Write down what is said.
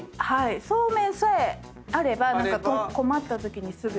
そうめんさえあれば困ったときにすぐ。